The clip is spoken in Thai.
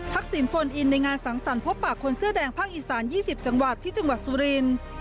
สินโฟนอินในงานสังสรรคบปากคนเสื้อแดงภาคอีสาน๒๐จังหวัดที่จังหวัดสุรินทร์